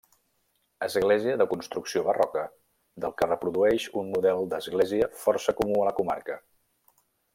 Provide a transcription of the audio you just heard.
Església de construcció barroca del que reprodueix un model d'església força comú a la comarca.